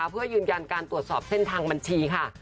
เพื่อยืนยันการตรวจสอบเส้นทางบัญชีค่ะ